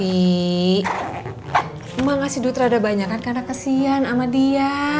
emak ngasih duit rada banyak kan karena kesian sama dia